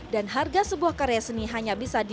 dan harga sebuah karya seni hanya bisa dinilai